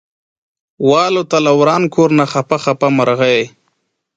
والوته له وران کور نه خپه خپه مرغۍ